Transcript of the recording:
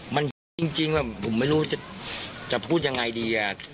มันคิดจริงแบบผมไม่รู้จะพูดยังไงดี